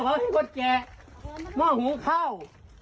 เค้าให้คนแก่ม้าหุงข้าว